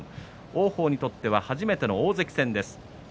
王鵬にとっては初めての大関戦です。